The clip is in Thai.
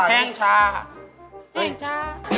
แห่งจาระ